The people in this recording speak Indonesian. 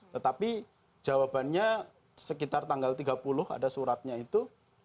tetapi jawabannya sekitar tanggal tiga puluh ada suratnya itu